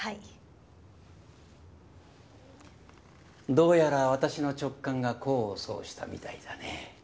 どうやら私の直感が功を奏したみたいだね。